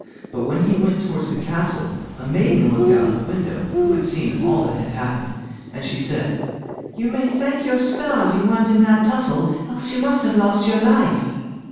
But when he went towards the castle, a maiden looked out of a window who had seen all that had happened, and she said: "You may thank your stars you weren't in that tussle, else you must have lost your life."